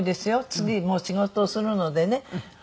次もう仕事をするのでね